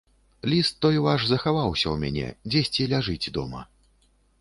Ліст той ваш захаваўся ў мяне, дзесьці ляжыць дома.